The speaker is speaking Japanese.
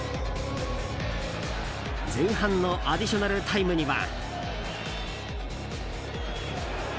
前半のアディショナルタイムには。